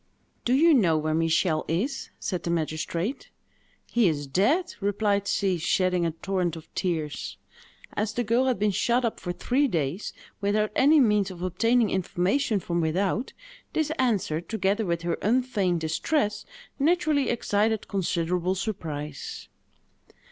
"Do you know where Michel is?" said the magistrate. "He is dead!" replied she, shedding a torrent of tears. As the girl had been shut up for three days, without any means of obtaining information from without, this answer, together with her unfeigned distress, naturally excited considerable surprise.